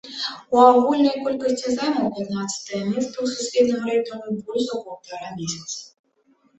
У агульнай колькасці займаў пятнаццатае месца ў сусветным рэйтынгу больш за паўтара месяца.